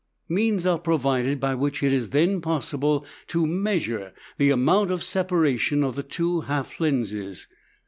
Means are provided by which it is then possible to measure the amount of separation of the two half lenses.